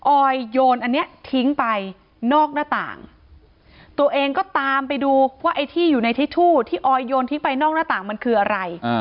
ออยโยนอันเนี้ยทิ้งไปนอกหน้าต่างตัวเองก็ตามไปดูว่าไอ้ที่อยู่ในทิชชู่ที่ออยโยนทิ้งไปนอกหน้าต่างมันคืออะไร